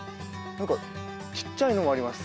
何かちっちゃいのもあります。